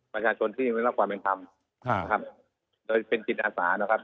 ประชาชนที่ไม่รับความแม่งทำครับโดยเป็นจิตอาสานะครับ